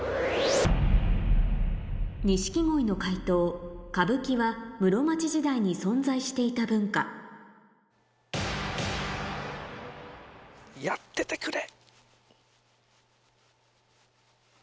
錦鯉の解答歌舞伎は室町時代に存在していた文化やっててくれ！